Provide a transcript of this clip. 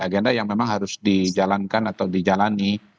agenda yang memang harus dijalankan atau dijalani